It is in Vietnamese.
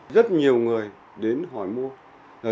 rất nhiều người đến hỏi mua